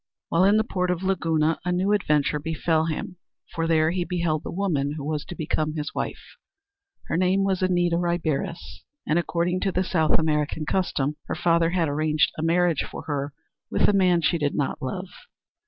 While in the port of Laguna a new adventure befell him, for there he beheld the woman who was to become his wife. Her name was Anita Riberas, and according to the South American custom her father had arranged a marriage for her with a man she did not love.